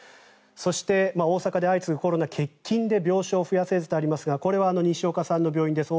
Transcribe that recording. そして、大阪で相次ぐコロナ欠勤で病床を増やせずとありますがこれは西岡さんの病院です